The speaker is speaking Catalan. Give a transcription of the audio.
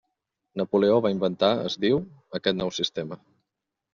Napoleó va inventar, es diu, aquest nou sistema.